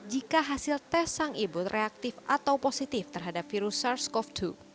jika hasil tes sang ibu reaktif atau positif terhadap virus sars cov dua